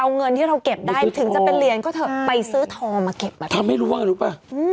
เอาเงินที่เราเก็บได้ถึงจะเป็นเรียนก็ไปซื้อทอมาเก็บมาที่ทำให้ร่วนรู้ป่ะ